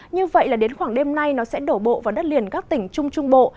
như vậy là đến khoảng đêm nay nó sẽ đổ bộ vào đất liền các tỉnh trung trung bộ